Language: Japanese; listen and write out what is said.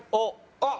あっ！